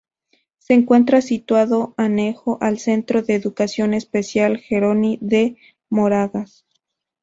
Se encuentra situado anejo al centro de educación especial Jeroni de Moragas.